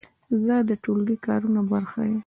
زه د ټولګي د کارونو برخه یم.